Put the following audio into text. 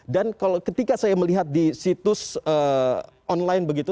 ketika saya melihat di situs online begitu